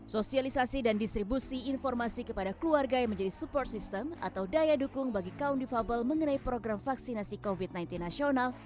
sosialisasi dan distribusi informasi kepada keluarga yang menjadi support system atau daya dukung bagi kaum difabel mengenai program vaksinasi covid sembilan belas nasional